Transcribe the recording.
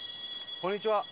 こんにちは。